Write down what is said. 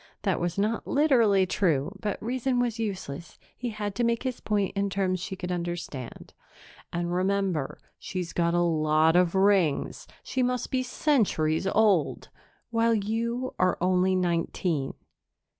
That was not literally true, but reason was useless; he had to make his point in terms she could understand. "And, remember, she's got a lot of rings she must be centuries old while you are only nineteen."